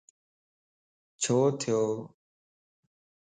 ڇو ٿيو